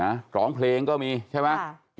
ร้องเพลงก็มีใช่ไหม